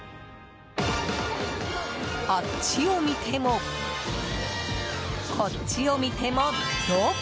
あっちを見ても、こっちを見ても「ド」。